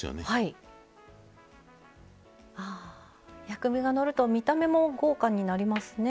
薬味がのると見た目も豪華になりますね。